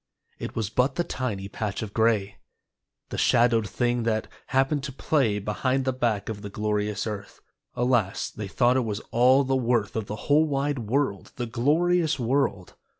It was but the tiny patch of gray, The shadowed thing that happened to play Behind the back of the glorious earth. Alas, they thought it was all the worth Of the whole wide world, the glorious world.